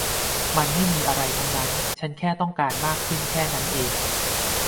มันไม่มีอะไรทั้งนั้น ฉันแค่ต้องการมากขึ้นแค่นั้นเอง